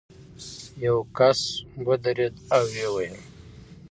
یو کس ودرېد او ویې ویل.